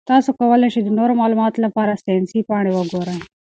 تاسو کولی شئ د نورو معلوماتو لپاره ساینسي پاڼې وګورئ.